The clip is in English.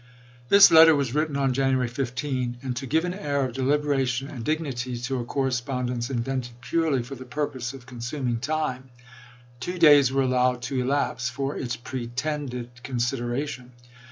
This letter was written on January 15, and to give an air of deliberation and dignity to a corre spondence invented purely for the purpose of con suming time, two days were allowed to elapse for its pretended consideration.